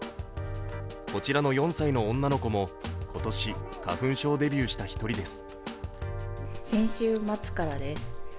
こちらの４歳の女の子も今年、花粉症デビューした一人です